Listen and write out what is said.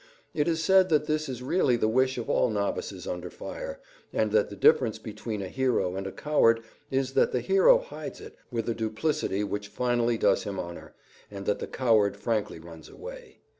It is said that this is really the wish of all novices under fire, and that the difference between a hero and a coward is that the hero hides it, with a duplicity which finally does him honor, and that the coward frankly runs away.